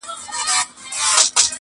له ساحله خبر نه یم د توپان کیسه کومه -